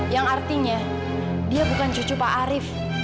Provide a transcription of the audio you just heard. yang artinya dia bukan cucu pak arief